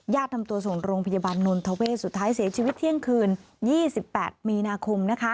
ทำตัวส่งโรงพยาบาลนนทเวศสุดท้ายเสียชีวิตเที่ยงคืน๒๘มีนาคมนะคะ